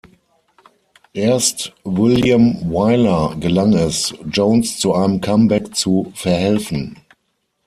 Erst William Wyler gelang es, Jones zu einem Comeback zu verhelfen.